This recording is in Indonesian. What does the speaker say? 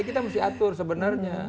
kita mesti atur sebenarnya